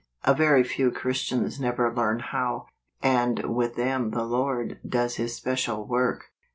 A very few Christians never learn how, and with them the Lord does his special work."